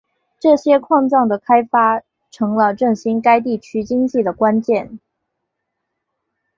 这些矿藏的开发成了振兴该地区经济的关键。